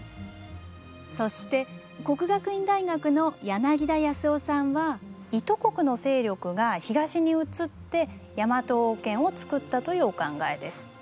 そして國學院大學の柳田康雄さんは伊都国の勢力が東に移ってヤマト王権をつくったというお考えです。